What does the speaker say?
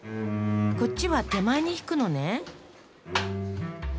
こっちは手前に引くのね。